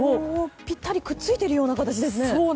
ぴったりくっついているような形ですね。